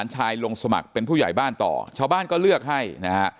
ชายลงสมัครเป็นผู้ใหญ่บ้านต่อชาวบ้านก็เลือกให้นะฮะ